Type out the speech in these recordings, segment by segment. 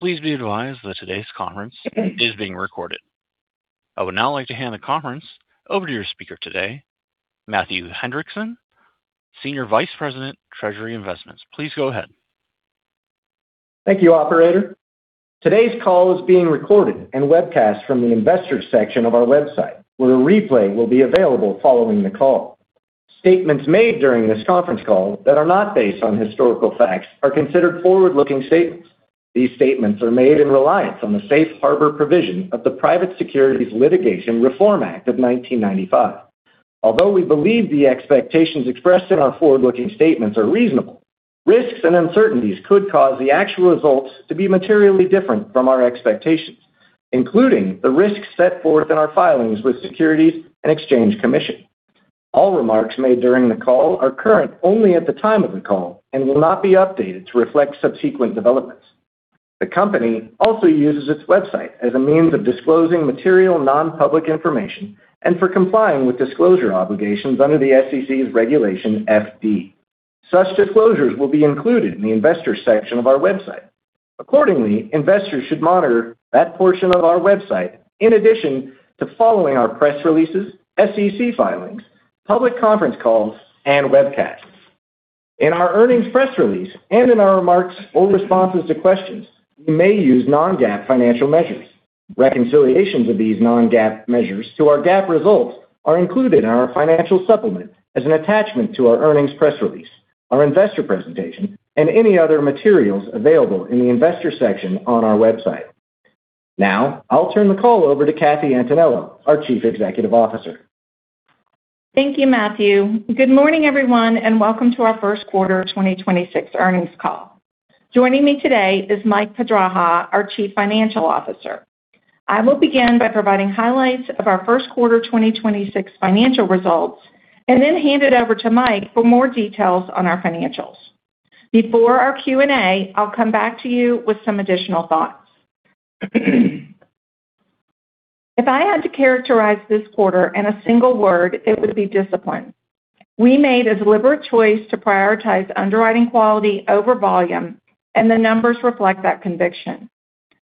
Please be advised that today's conference is being recorded. I would now like to hand the conference over to your speaker today, Matthew Hendrickson, Senior Vice President, Treasury & Investments. Please go ahead. Thank you, operator. Today's call is being recorded and webcast from the investors section of our website, where a replay will be available following the call. Statements made during this conference call that are not based on historical facts are considered forward-looking statements. These statements are made in reliance on the safe harbor provision of the Private Securities Litigation Reform Act of 1995. Although we believe the expectations expressed in our forward-looking statements are reasonable, risks and uncertainties could cause the actual results to be materially different from our expectations, including the risks set forth in our filings with Securities and Exchange Commission. All remarks made during the call are current only at the time of the call and will not be updated to reflect subsequent developments. The Company also uses its website as a means of disclosing material non-public information and for complying with disclosure obligations under the SEC's Regulation FD. Such disclosures will be included in the investor section of our website. Accordingly, investors should monitor that portion of our website in addition to following our press releases, SEC filings, public conference calls, and webcasts. In our earnings press release and in our remarks or responses to questions, we may use non-GAAP financial measures. Reconciliations of these non-GAAP measures to our GAAP results are included in our financial supplement as an attachment to our earnings press release, our investor presentation, and any other materials available in the Investors section on our website. Now, I'll turn the call over to Kathy Antonello, our Chief Executive Officer. Thank you, Matthew. Good morning, everyone, and welcome to our first quarter 2026 earnings call. Joining me today is Mike Pedraja, our Chief Financial Officer. I will begin by providing highlights of our first quarter 2026 financial results, and then hand it over to Mike for more details on our financials. Before our Q&A, I'll come back to you with some additional thoughts. If I had to characterize this quarter in a single word, it would be discipline. We made a deliberate choice to prioritize underwriting quality over volume, and the numbers reflect that conviction.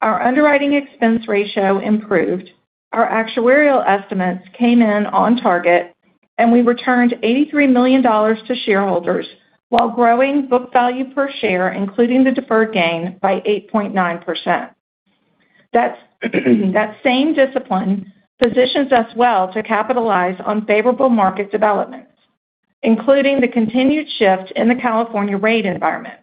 Our underwriting expense ratio improved, our actuarial estimates came in on target, and we returned $83 million to shareholders while growing book value per share, including the deferred gain by 8.9%. That same discipline positions us well to capitalize on favorable market developments, including the continued shift in the California rate environment.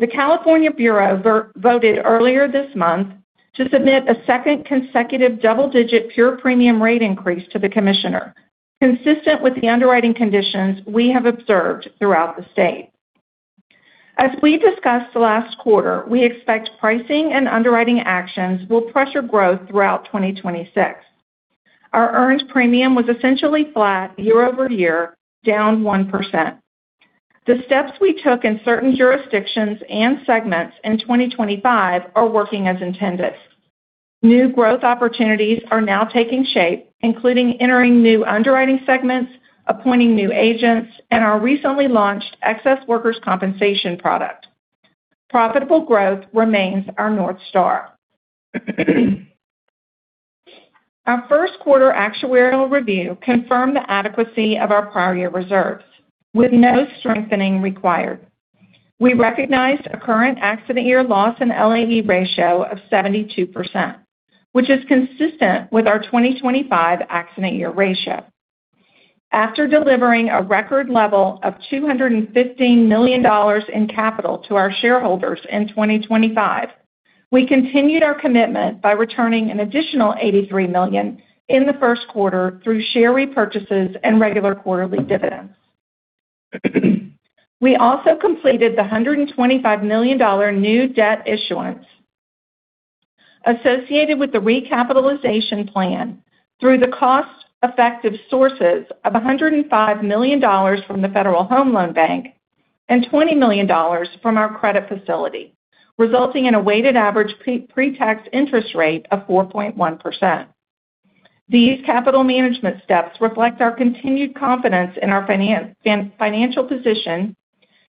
The California Bureau voted earlier this month to submit a second consecutive double-digit pure premium rate increase to the Commissioner, consistent with the underwriting conditions we have observed throughout the state. As we discussed last quarter, we expect pricing and underwriting actions will pressure growth throughout 2026. Our earned premium was essentially flat year-over-year, down 1%. The steps we took in certain jurisdictions and segments in 2025 are working as intended. New growth opportunities are now taking shape, including entering new underwriting segments, appointing new agents, and our recently launched Excess Workers' Compensation product. Profitable growth remains our North Star. Our first quarter actuarial review confirmed the adequacy of our prior year reserves with no strengthening required. We recognized a current accident year Loss and LAE ratio of 72%, which is consistent with our 2025 accident year ratio. After delivering a record level of $215 million in capital to our shareholders in 2025, we continued our commitment by returning an additional $83 million in the first quarter through share repurchases and regular quarterly dividends. We also completed the $125 million new debt issuance associated with the recapitalization plan through the cost-effective sources of $105 million from the Federal Home Loan Bank and $20 million from our credit facility, resulting in a weighted average pre-tax interest rate of 4.1%. These capital management steps reflect our continued confidence in our financial position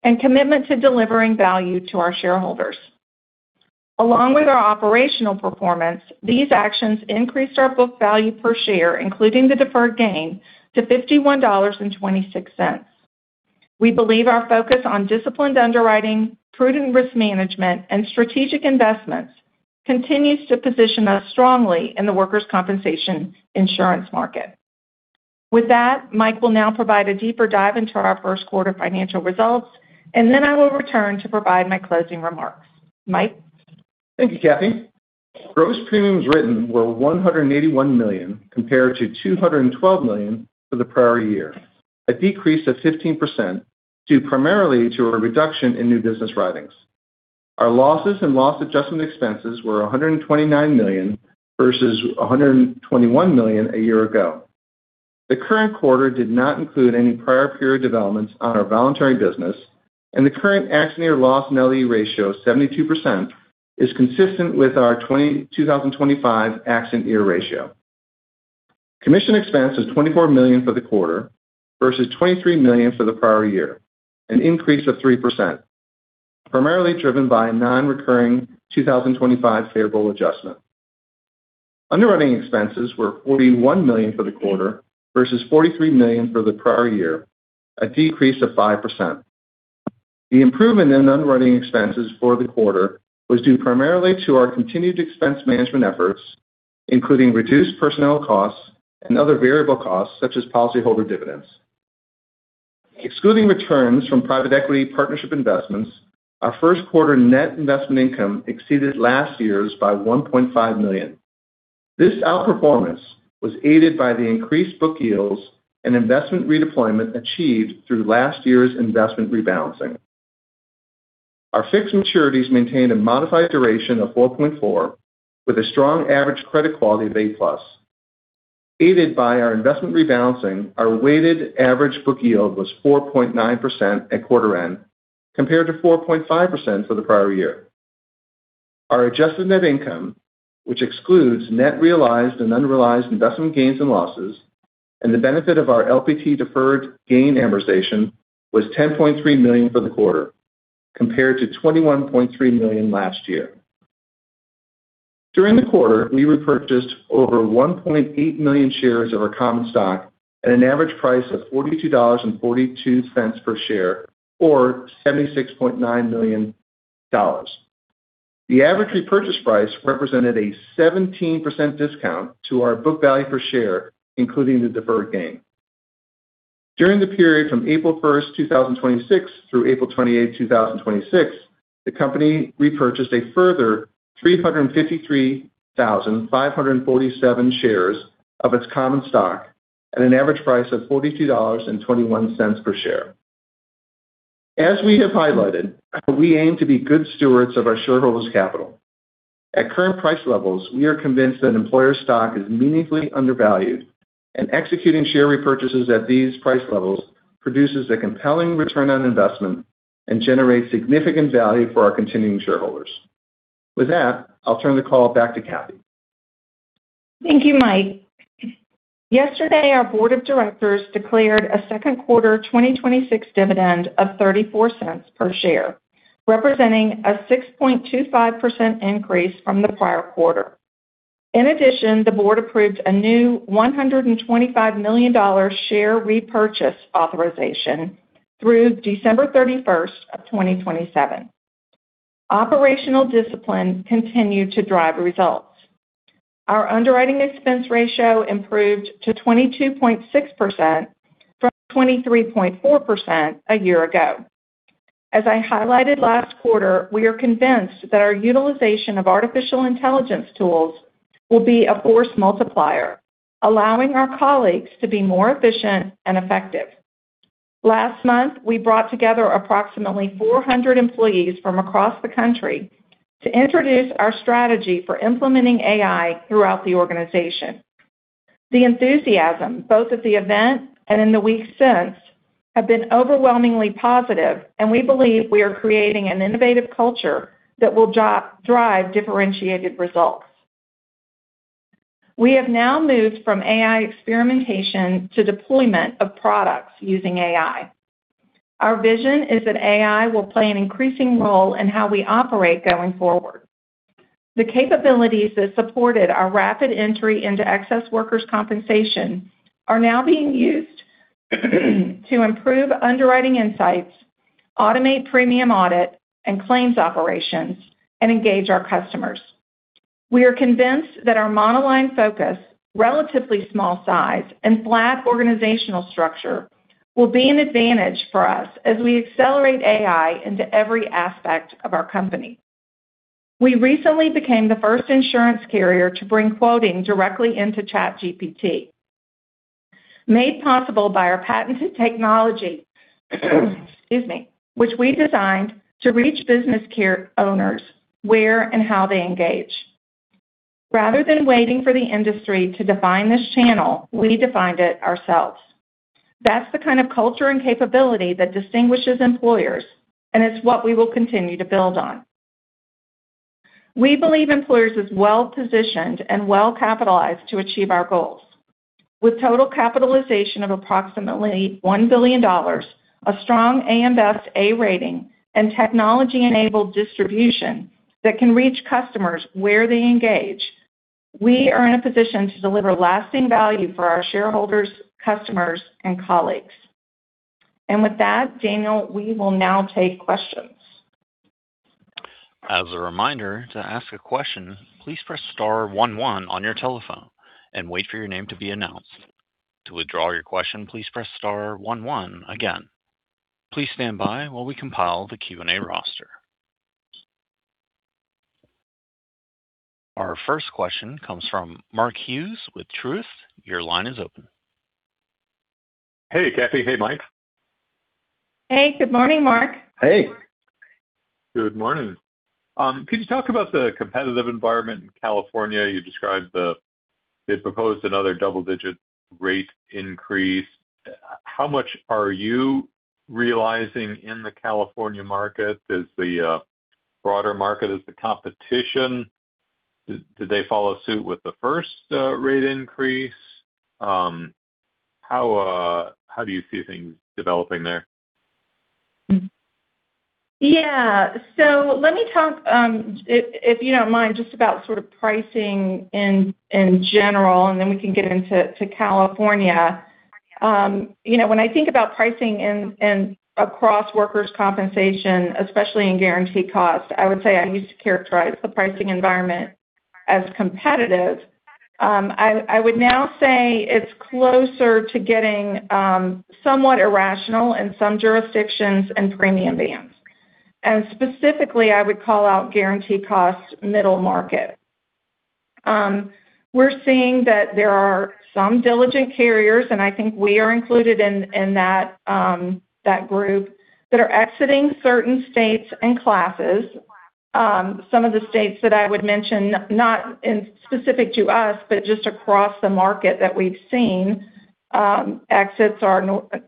and commitment to delivering value to our shareholders. Along with our operational performance, these actions increased our book value per share, including the deferred gain to $51.26. We believe our focus on disciplined underwriting, prudent risk management, and strategic investments continues to position us strongly in the workers' compensation insurance market. With that, Mike will now provide a deeper dive into our first quarter financial results, and then I will return to provide my closing remarks. Mike? Thank you, Kathy. Gross premiums written were $181 million compared to $212 million for the prior year, a decrease of 15% due primarily to a reduction in new business writings. Our losses and loss adjustment expenses were $129 million versus $121 million a year ago. The current quarter did not include any prior period developments on our voluntary business, and the current accident year Loss and LAE ratio, 72%, is consistent with our 2025 accident year ratio. Commission expense is $24 million for the quarter versus $23 million for the prior year, an increase of 3%, primarily driven by a non-recurring 2025 favorable adjustment. Underwriting expenses were $41 million for the quarter versus $43 million for the prior year, a decrease of 5%. The improvement in underwriting expenses for the quarter was due primarily to our continued expense management efforts, including reduced personnel costs and other variable costs such as policyholder dividends. Excluding returns from private equity partnership investments, our first quarter net investment income exceeded last year's by $1.5 million. This outperformance was aided by the increased book yields and investment redeployment achieved through last year's investment rebalancing. Our fixed maturities maintained a modified duration of 4.4, with a strong average credit quality of A+. Aided by our investment rebalancing, our weighted average book yield was 4.9% at quarter end, compared to 4.5% for the prior year. Our adjusted net income, which excludes net realized and unrealized investment gains and losses and the benefit of our LPT deferred gain amortization, was $10.3 million for the quarter, compared to $21.3 million last year. During the quarter, we repurchased over 1.8 million shares of our common stock at an average price of $42.42 per share, or $76.9 million. The average repurchase price represented a 17% discount to our book value per share, including the deferred gain. During the period from April 1st, 2026, through April 28th, 2026, the company repurchased a further 353,547 shares of its common stock at an average price of $42.21 per share. As we have highlighted, we aim to be good stewards of our shareholders' capital. At current price levels, we are convinced that Employers' stock is meaningfully undervalued, and executing share repurchases at these price levels produces a compelling return on investment and generates significant value for our continuing shareholders. With that, I'll turn the call back to Kathy. Thank you, Mike. Yesterday, our board of directors declared a second-quarter 2026 dividend of $0.34 per share, representing a 6.25% increase from the prior quarter. In addition, the board approved a new $125 million share repurchase authorization through December 31st of 2027. Operational discipline continued to drive results. Our underwriting expense ratio improved to 22.6% from 23.4% a year ago. As I highlighted last quarter, we are convinced that our utilization of artificial intelligence tools will be a force multiplier, allowing our colleagues to be more efficient and effective. Last month, we brought together approximately 400 employees from across the country to introduce our strategy for implementing AI throughout the organization. The enthusiasm, both at the event and in the weeks since, have been overwhelmingly positive, and we believe we are creating an innovative culture that will drive differentiated results. We have now moved from AI experimentation to deployment of products using AI. Our vision is that AI will play an increasing role in how we operate going forward. The capabilities that supported our rapid entry into Excess Workers' Compensation are now being used to improve underwriting insights, automate premium audit and claims operations, and engage our customers. We are convinced that our monoline focus, relatively small size, and flat organizational structure will be an advantage for us as we accelerate AI into every aspect of our company. We recently became the first insurance carrier to bring quoting directly into ChatGPT, made possible by our patented technology, excuse me, which we designed to reach business owners where and how they engage. Rather than waiting for the industry to define this channel, we defined it ourselves. That's the kind of culture and capability that distinguishes Employers, and it's what we will continue to build on. We believe Employers is well-positioned and well-capitalized to achieve our goals. With total capitalization of approximately $1 billion, a strong AM Best A rating, and technology-enabled distribution that can reach customers where they engage, we are in a position to deliver lasting value for our shareholders, customers, and colleagues. With that, Daniel, we will now take questions. As a reminder, to ask a question, please press star one one on your telephone and wait for your name to be announced. To withdraw your question, please press star one one again. Please stand by while we compile the Q&A roster. Our first question comes from Mark Hughes with Truist. Your line is open. Hey, Kathy. Hey, Mike. Hey. Good morning, Mark. Hey. Good morning. Could you talk about the competitive environment in California? You described they proposed another double-digit rate increase. How much are you realizing in the California market as the broader market is the competition. Did they follow suit with the first rate increase? How do you see things developing there? So let me talk, if you don't mind, just about sort of pricing in general, and then we can get into California. You know, when I think about pricing in across workers' compensation, especially in guaranteed cost, I would say I used to characterize the pricing environment as competitive. I would now say it's closer to getting somewhat irrational in some jurisdictions and premium bands. Specifically, I would call out guaranteed cost middle market. We're seeing that there are some diligent carriers, and I think we are included in that group, that are exiting certain states and classes. Some of the states that I would mention, not in specific to us, but just across the market that we've seen, exits are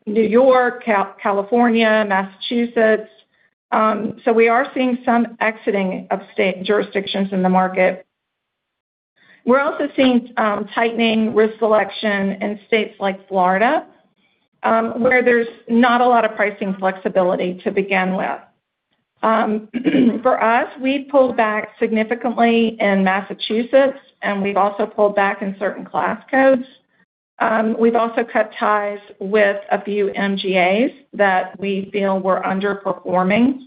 New York, California, Massachusetts. We are seeing some exiting of state jurisdictions in the market. We're also seeing tightening risk selection in states like Florida, where there's not a lot of pricing flexibility to begin with. For us, we pulled back significantly in Massachusetts, and we've also pulled back in certain class codes. We've also cut ties with a few MGAs that we feel were underperforming.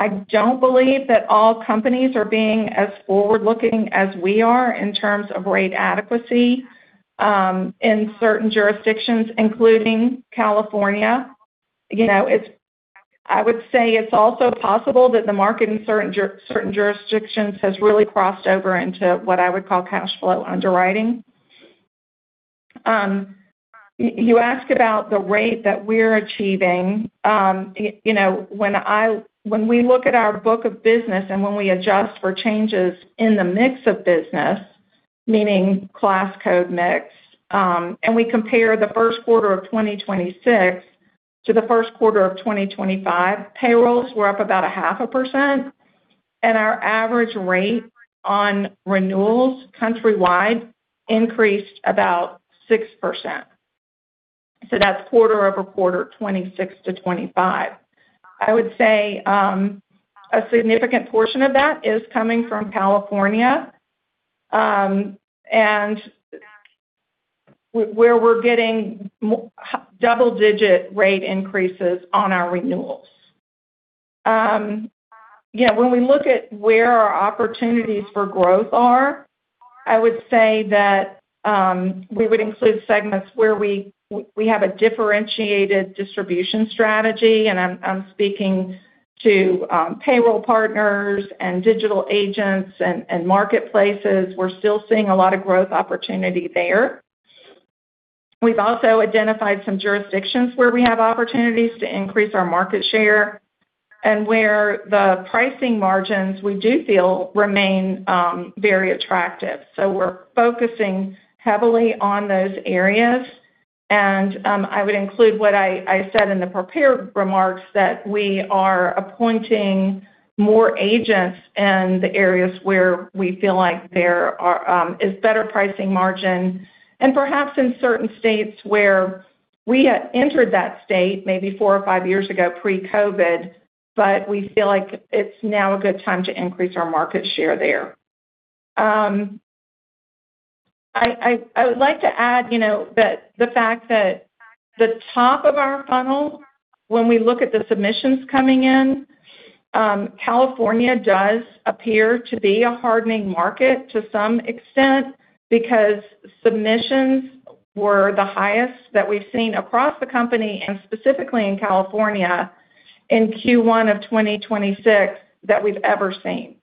I don't believe that all companies are being as forward-looking as we are in terms of rate adequacy in certain jurisdictions, including California. You know, I would say it's also possible that the market in certain jurisdictions has really crossed over into what I would call cash flow underwriting. You asked about the rate that we're achieving. You know, when we look at our book of business and when we adjust for changes in the mix of business, meaning class code mix, and we compare the first quarter of 2026 to the first quarter of 2025, payrolls were up about 0.5%, and our average rate on renewals countrywide increased about 6%. That's quarter-over-quarter, 2026 to 2025. I would say, a significant portion of that is coming from California, and where we're getting double-digit rate increases on our renewals. Yeah, when we look at where our opportunities for growth are, I would say that, we would include segments where we have a differentiated distribution strategy, and I'm speaking to, payroll partners and digital agents and marketplaces. We're still seeing a lot of growth opportunity there. We've also identified some jurisdictions where we have opportunities to increase our market share and where the pricing margins, we do feel remain very attractive. We're focusing heavily on those areas. I would include what I said in the prepared remarks that we are appointing more agents in the areas where we feel like there is better pricing margin, and perhaps in certain states where we had entered that state maybe four or five years ago pre-COVID, but we feel like it's now a good time to increase our market share there. I would like to add, you know, that the fact that the top of our funnel, when we look at the submissions coming in, California does appear to be a hardening market to some extent because submissions were the highest that we've seen across the company and specifically in California in Q1 of 2026 that we've ever seen.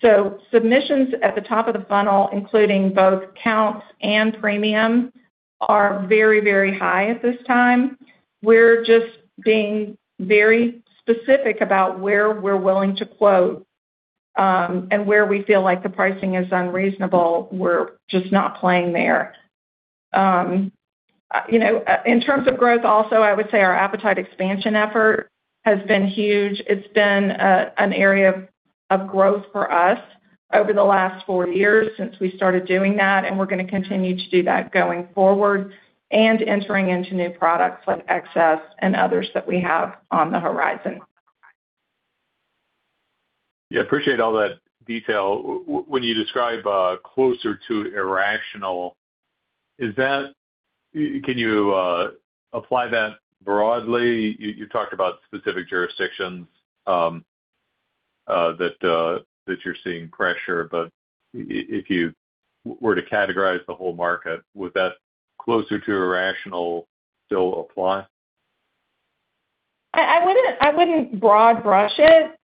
Submissions at the top of the funnel, including both counts and premium, are very, very high at this time. We're just being very specific about where we're willing to quote, and where we feel like the pricing is unreasonable, we're just not playing there. You know, in terms of growth also, I would say our appetite expansion effort has been huge. It's been an area of growth for us over the last four years since we started doing that, and we're gonna continue to do that going forward and entering into new products like Excess and others that we have on the horizon. Yeah, appreciate all that detail. When you describe closer to irrational, can you apply that broadly? You talked about specific jurisdictions, that you're seeing pressure. If you were to categorize the whole market, would that closer to irrational still apply? I wouldn't broad-brush it.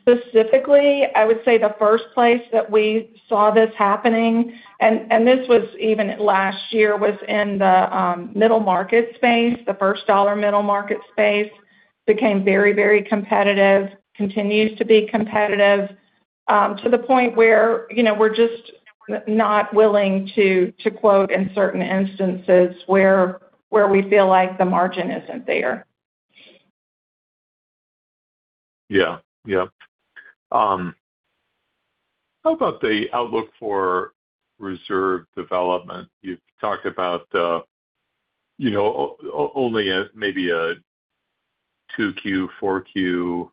Specifically, I would say the first place that we saw this happening, and this was even last year, was in the middle market space. The first dollar middle market space became very competitive, continues to be competitive. To the point where, you know, we're just not willing to quote in certain instances where we feel like the margin isn't there. Yeah. Yep. How about the outlook for reserve development? You've talked about, you know, only maybe a 2Q, 4Q,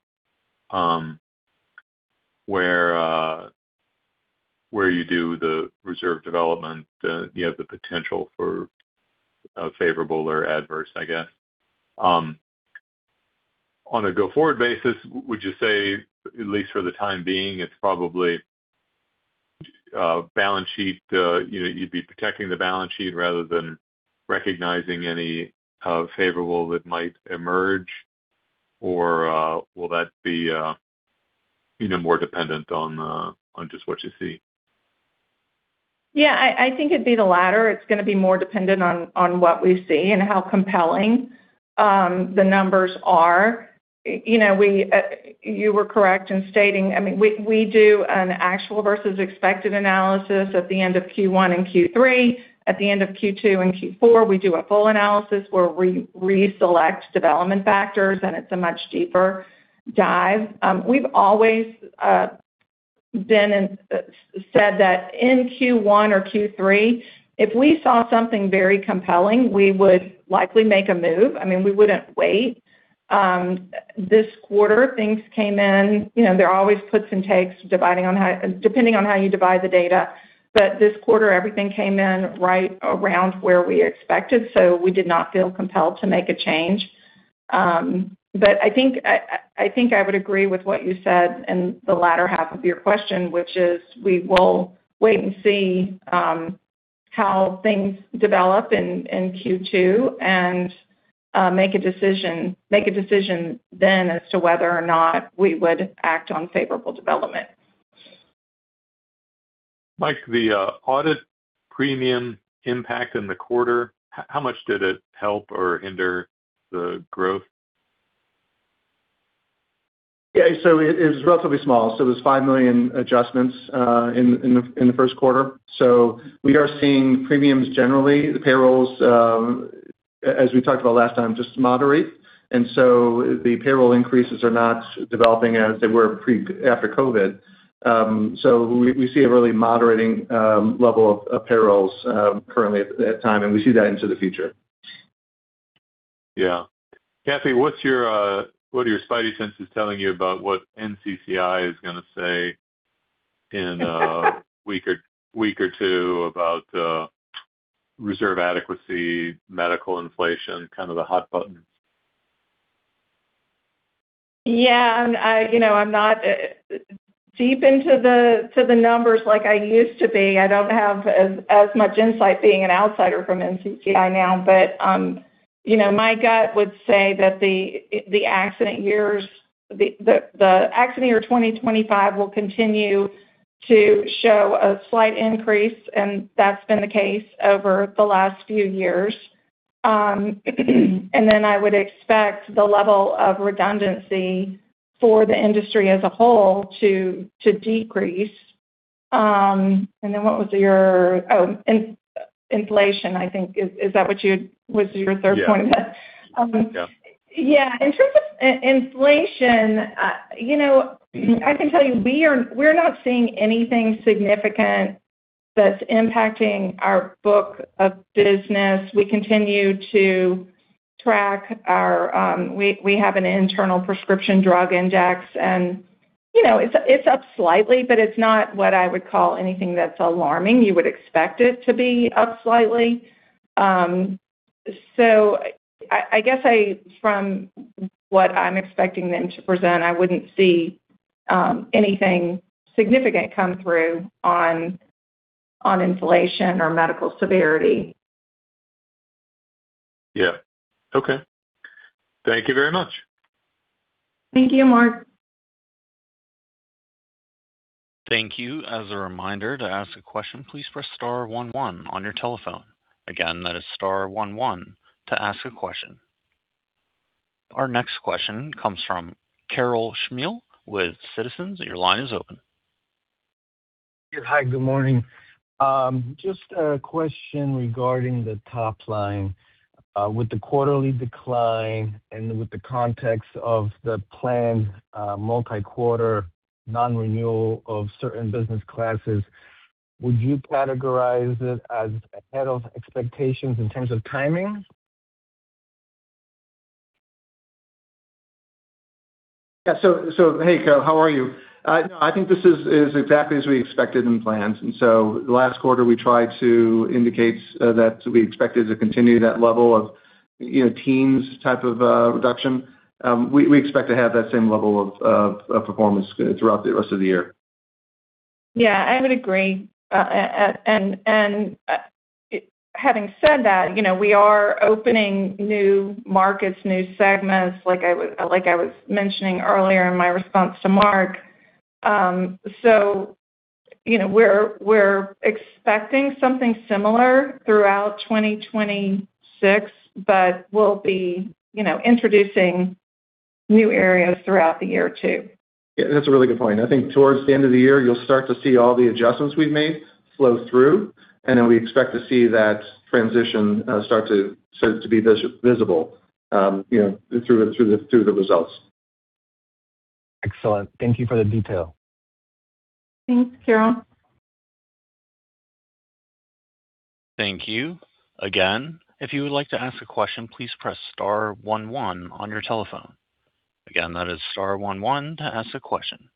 where, where you do the reserve development, you have the potential for a favorable or adverse, I guess. On a go-forward basis, would you say, at least for the time being, it's probably balance sheet, you know, you'd be protecting the balance sheet rather than recognizing any favorable that might emerge? Or will that be, you know, more dependent on just what you see? I think it'd be the latter. It's gonna be more dependent on what we see and how compelling the numbers are. You know, we, you were correct in stating. I mean, we do an actual versus expected analysis at the end of Q1 and Q3. At the end of Q2 and Q4, we do a full analysis where we reselect development factors, and it's a much deeper dive. We've always said that in Q1 or Q3, if we saw something very compelling, we would likely make a move. I mean, we wouldn't wait. This quarter, things came in, you know, there are always puts and takes depending on how you divide the data. This quarter, everything came in right around where we expected, so we did not feel compelled to make a change. I think I would agree with what you said in the latter half of your question, which is we will wait and see how things develop in Q2 and make a decision then as to whether or not we would act on favorable development. Mike, the audit premium impact in the quarter, how much did it help or hinder the growth? It was relatively small. It was $5 million adjustments in the first quarter. We are seeing premiums generally, the payrolls, as we talked about last time, just moderate. The payroll increases are not developing as they were after COVID. We see a really moderating level of payrolls currently at time, and we see that into the future. Yeah. Kathy, what's your what are your Spidey senses telling you about what NCCI is gonna say in a week or two about reserve adequacy, medical inflation, kind of the hot buttons? Yeah, I, you know, I'm not deep into the numbers like I used to be. I don't have as much insight being an outsider from NCCI now. You know, my gut would say that the accident years, the accident year 2025 will continue to show a slight increase, and that's been the case over the last few years. I would expect the level of redundancy for the industry as a whole to decrease. What was your... Oh, inflation, I think. Is that what you, was your third point? Yeah. Um. Yeah. Yeah. In terms of inflation, you know, I can tell you, we are, we're not seeing anything significant that's impacting our book of business. We continue to track our, we have an internal prescription drug index and, you know, it's up slightly, but it's not what I would call anything that's alarming. You would expect it to be up slightly. So I guess I, from what I'm expecting them to present, I wouldn't see anything significant come through on inflation or medical severity. Yeah. Okay. Thank you very much. Thank you, Mark. Thank you. As a reminder, to ask a question, please press star one one on your telephone. Again, that is star one one to ask a question. Our next question comes from Karol Chmiel with Citizens. Your line is open. Hi, good morning. Just a question regarding the top line. With the quarterly decline and with the context of the planned, multi-quarter non-renewal of certain business classes, would you categorize it as ahead of expectations in terms of timing? Hey, Karol, how are you? I think this is exactly as we expected and planned. Last quarter, we tried to indicate that we expected to continue that level of, you know, teens type of reduction. We expect to have that same level of performance throughout the rest of the year. Yeah, I would agree. And having said that, you know, we are opening new markets, new segments, like I was mentioning earlier in my response to Mark. You know, we're expecting something similar throughout 2026, but we'll be, you know, introducing new areas throughout the year too. Yeah, that's a really good point. I think towards the end of the year, you'll start to see all the adjustments we've made flow through. We expect to see that transition start to be visible, you know, through the results. Excellent. Thank you for the details Thanks, Karol. Thank you. Again, if you would like to ask a question, please press star one one on your telephone. That is star one one to ask a question.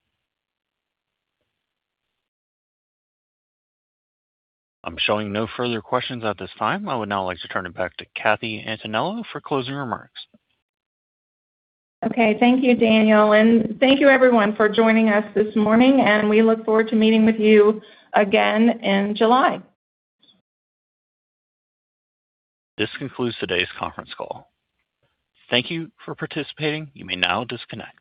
I'm showing no further questions at this time. I would now like to turn it back to Kathy Antonello for closing remarks. Okay. Thank you, Daniel. Thank you everyone for joining us this morning. We look forward to meeting with you again in July. This concludes today's conference call. Thank you for participating. You may now disconnect.